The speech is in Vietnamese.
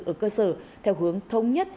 ở cơ sở theo hướng thống nhất